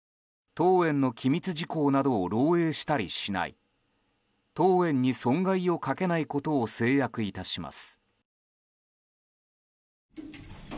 当園の機密事項などを漏洩したりしない当園に損害をかけないことを誓約いたします。